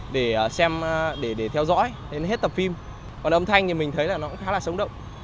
để xem để theo dõi đến hết tập phim còn âm thanh thì mình thấy là nó cũng khá là sống động